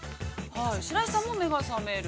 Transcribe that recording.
白石さんも目が覚める。